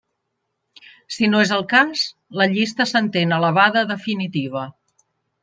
Si no és el cas, la llista s'entén elevada a definitiva.